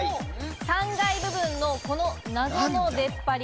３階部分の、この謎の出っ張り。